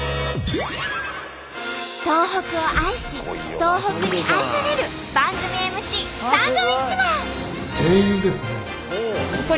東北を愛し東北に愛される番組ＭＣサンドウィッチマン。